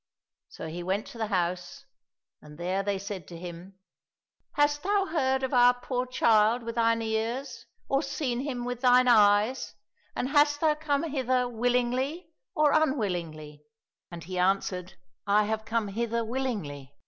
" So he went to the house, and there they said to him, " Hast thou heard of our poor child with thine ears, or seen him with thine eyes, and hast thou come hither willingly or unwillingly }"— And he answered, " I have come hither willingly